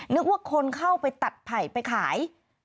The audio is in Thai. นึกว่าคนเข้าไปตัดไผ่ไปขาย